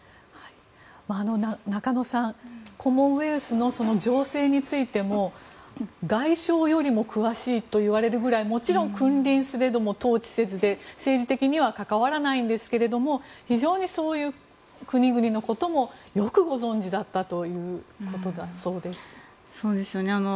中野さん、コモンウェルスの情勢についても外相よりも詳しいといわれるくらいもちろん君臨すれども統治せずで政治的には関わらないんですけども非常にそういう国々のこともよくご存じだったということだそうです。